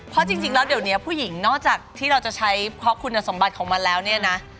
เพราะจริงแล้วเดี๋ยวนี้ผู้หญิงนอกจากที่เราจะใช้เพราะคุณสมบัติของมันแล้วเนี่ยนะ